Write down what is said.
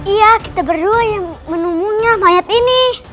iya kita berdua yang menunggunya mayat ini